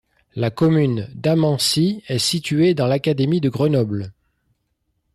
La commune d'Amancy est située dans l'académie de Grenoble.